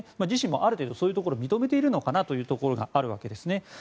自身もある程度そういうところを認めているのかなというところがあるわけですね。